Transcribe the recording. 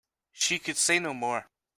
She could say no more.